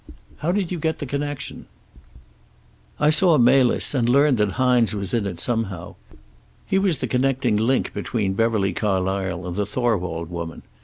"How did you get the connection?" "I saw Melis, and learned that Hines was in it somehow. He was the connecting link between Beverly Carlysle and the Thorwald woman.